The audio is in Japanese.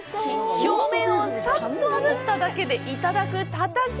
表面をさっとあぶっただけでいただくたたき！